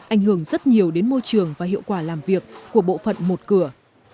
ảnh hưởng rất nhiều đến môi trường và hiệu quả làm việc của bộ phận một cửa